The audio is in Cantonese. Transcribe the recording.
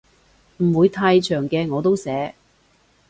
唔會太長嘅我都寫